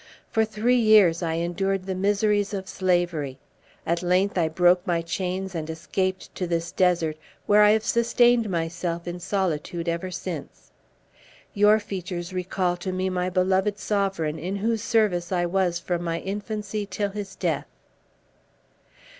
For three years I endured the miseries of slavery; at length I broke my chains and escaped to this desert, where I have sustained myself in solitude ever since. Your features recall to me my beloved sovereign, in whose service I was from my infancy till his death."